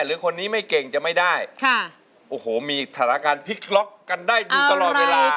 หรือคนนี้ไม่เก่งจะไม่ได้ค่ะโอ้โหมีสถานการณ์พลิกล็อกกันได้อยู่ตลอดเวลา